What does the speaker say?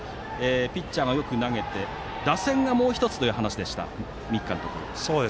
ピッチャーはよく投げて打線がもう１つという話でした三木監督。